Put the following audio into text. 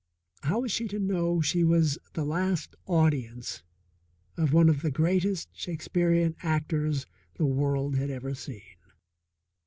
How was she to know she was the last audience of one of the greatest Shakespearian actors the world had ever seen?